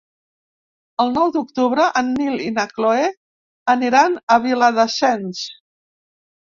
El nou d'octubre en Nil i na Cloè aniran a Viladasens.